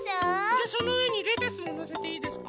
じゃあそのうえにレタスものせていいですか？